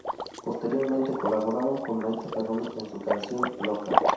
Posteriormente colaboraron con Maite Perroni en su canción "Loca".